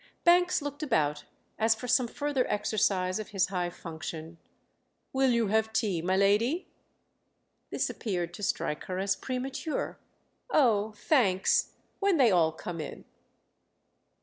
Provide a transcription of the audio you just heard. Banks looked about as for some further exercise of his high function. "Will you have tea, my lady?" This appeared to strike her as premature. "Oh, thanks—when they all come in."